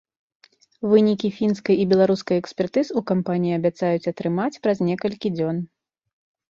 Вынікі фінскай і беларускай экспертыз у кампаніі абяцаюць атрымаць праз некалькі дзён.